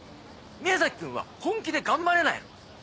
宮崎君は本気で頑張れないの？